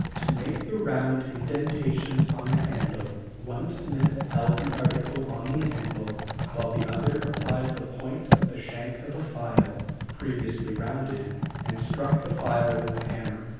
To make the round indentations on the handle, one smith held the article on the anvil while the other applied the point of the shank of a file previously rounded and struck the file with a hammer.